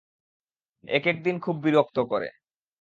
একেক দিন খুব বিরক্ত করে।